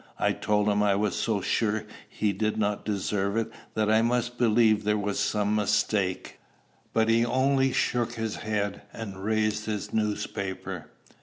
I told him I was so sure he did not deserve it, that I must believe there was some mistake. But he only shook his head and raised his newspaper.